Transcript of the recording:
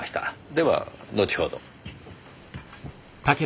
では後ほど。